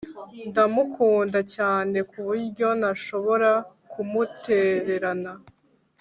Ndamukunda cyane kuburyo ntashobora kumutererana